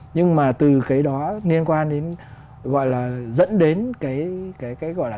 nhưng mà từ cái đó liên quan đến gọi là dẫn đến cái gọi là